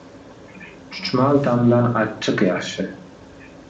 • Chuchmal ta’mdan achchiq yaxshi.